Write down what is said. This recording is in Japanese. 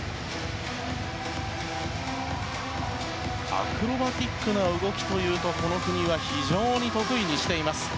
アクロバティックな動きというとこの国は非常に得意にしています。